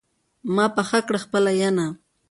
ما پخه کړه خپله ينه